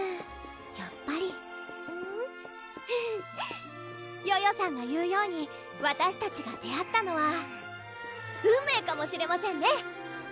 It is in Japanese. やっぱりフフッヨヨさんが言うようにわたしたちが出会ったのは運命かもしれませんね